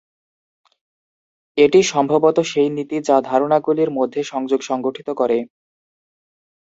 এটি, সম্ভবত, সেই "নীতি" যা ধারণাগুলির মধ্যে সংযোগ সংগঠিত করে।